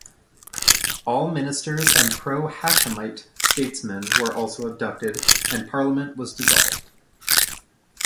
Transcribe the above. All ministers and pro-Hashemite statesmen were also abducted, and Parliament was dissolved.